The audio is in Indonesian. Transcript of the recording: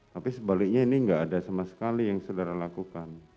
tapi sebaliknya ini nggak ada sama sekali yang saudara lakukan